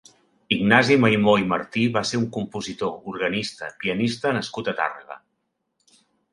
Ignasi Maymó i Martí va ser un compositor, organista, pianista nascut a Tàrrega.